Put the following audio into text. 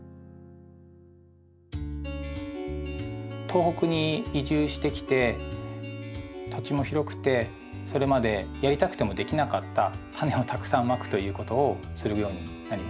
東北に移住してきて土地も広くてそれまでやりたくてもできなかったタネをたくさんまくということをするようになりました。